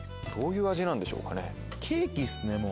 どういう味なんでしょうかね。